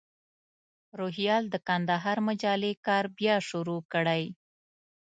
روهیال د کندهار مجلې کار بیا شروع کړی.